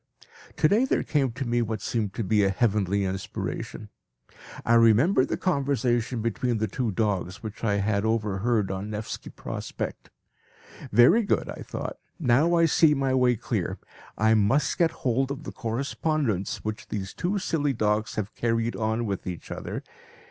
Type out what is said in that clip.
To day there came to me what seemed a heavenly inspiration. I remembered the conversation between the two dogs which I had overheard on the Nevski Prospect. "Very good," I thought; "now I see my way clear. I must get hold of the correspondence which these two silly dogs have carried on with each other.